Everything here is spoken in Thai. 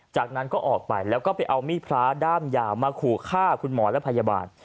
จากนั้นก็ออกไปแล้วก็ไปเอามีดพระด้ามยาวมาขู่ฆ่าคุณหมอและพยาบาล